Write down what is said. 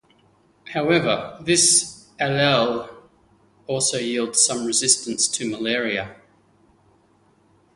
However, this allele also yields some resistance to malaria.